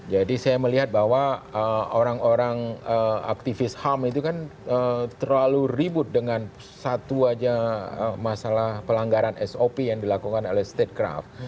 jadi saya melihat bahwa orang orang aktivis ham itu kan terlalu ribut dengan satu saja masalah pelanggaran sop yang dilakukan oleh estate craft